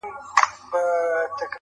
ځوان د سگريټو تسه کړې قطۍ وغورځول.